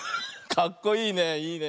かっこいいね。